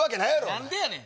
何でやねん？